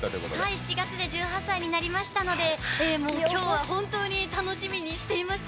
７月で１８歳になりましたのでもう、きょうは本当に楽しみにしていました。